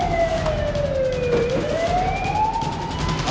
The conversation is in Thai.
รักลูกเหมือนกัน